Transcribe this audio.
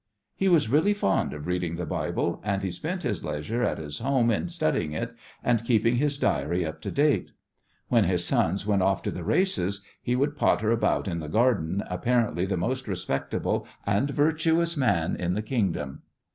He was really fond of reading the Bible, and he spent his leisure at his home in studying it and keeping his diary up to date. When his sons went off to the races he would potter about in the garden, apparently the most respectable and virtuous man in the kingdom.